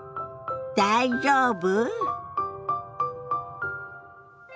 「大丈夫？」。